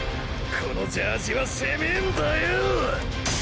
このジャージは狭ェんだよ！！